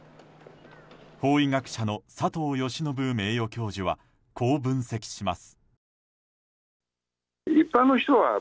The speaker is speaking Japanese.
法医学者の佐藤喜宣名誉教授はこう分析します。